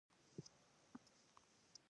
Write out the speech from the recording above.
که بدن کې مالګه زیاته شي، نو تاوان لري.